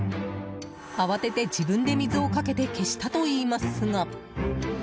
慌てて自分で水をかけて消したといいますが。